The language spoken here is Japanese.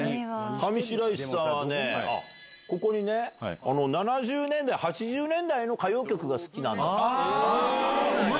上白石さんはね、ここにね、７０年代、８０年代の歌謡曲が好あぁ。